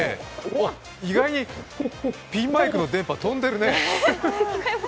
意外にピンマイクの電波飛んでるね。